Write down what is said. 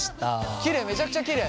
きれいめちゃくちゃきれい。